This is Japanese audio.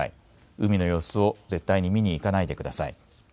海の様子を絶対に見に行かないでください。